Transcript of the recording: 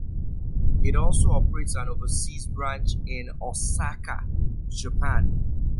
It also operates an overseas branch in Osaka, Japan.